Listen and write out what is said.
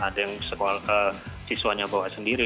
ada yang sekolah siswanya bawa sendiri